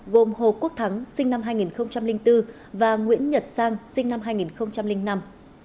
gồm hồ quốc thắng sinh năm hai nghìn bốn và nguyễn nhật sang sinh năm hai nghìn năm